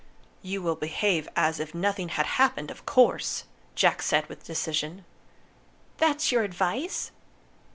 "You will behave as if nothing had happened, of course," Jack said with decision. "That's your advice?"